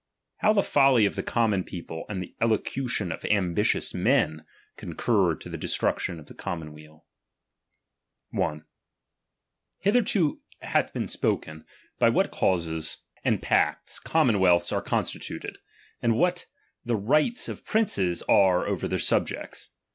How the folly of the common people, and the elocution of ambitious men, concur to the destruction of a common weal, ^* Hitherto hath been spoken, by what causes , and pacts commonweals are constituted, and what the rights of princes are over their subjects.